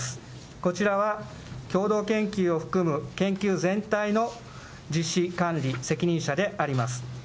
こちらは共同研究を含む研究全体の実施管理責任者であります。